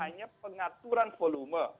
hanya pengaturan volume